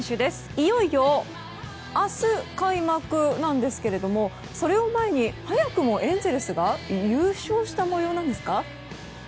いよいよ明日開幕なんですけどもそれを前に、早くもエンゼルスが優勝した模様なんですか？